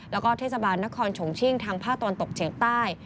แล้วก็เทศบาลนครชงชิ่งทางภาคตะวันตกเฉียงใต้